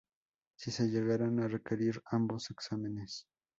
Si se llegaran a requerir ambos exámenes.